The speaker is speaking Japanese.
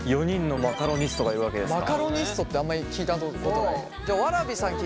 マカロニストってあんまり聞いたことない。